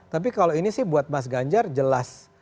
tapi kalau ini sih buat mas ganjar jelas